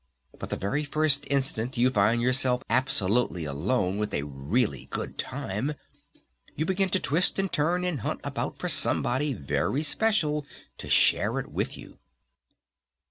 But the very first instant you find yourself absolutely alone with a Really Good Time you begin to twist and turn and hunt about for somebody Very Special to share it with you!